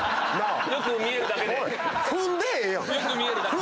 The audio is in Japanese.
よく見えるだけで。